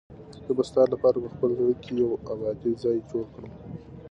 زه به ستا لپاره په خپل زړه کې یو ابدي ځای جوړ کړم.